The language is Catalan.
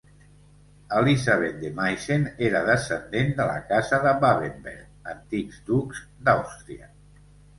Elisabet de Meissen era descendent de la casa de Babenberg, antics ducs d'Àustria.